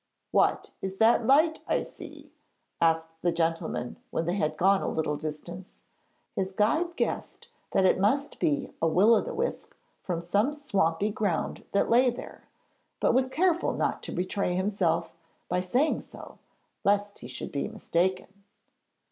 'What is that light I see?' asked the gentleman when they had gone a little distance. His guide guessed that it must be a will o' the wisp from some swampy ground that lay there, but was careful not to betray himself by saying so lest he should be mistaken.